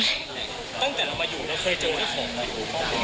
ตั้งแต่เรามาอยู่แล้วเคยเจออะไรของ